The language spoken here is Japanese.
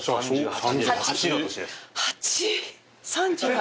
８！？